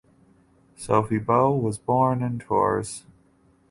Sophie Beau was born in Tours.